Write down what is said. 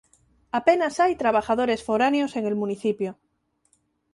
Apenas hay trabajadores foráneos en el municipio.